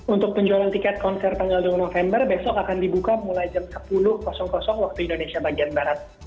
untuk penjualan tiket konser tanggal dua november besok akan dibuka mulai jam sepuluh waktu indonesia bagian barat